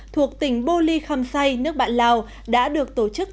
thuộc tỉnh bô ly khăm say nước bạn lào